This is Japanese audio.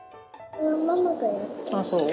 ああそう？